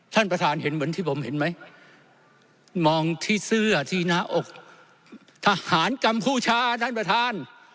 ท่านประธานเห็นเหมือนที่ผมเห็นไหมมองที่เสื้อที่หน้าอกทหารกัมพูชาท่านประธาน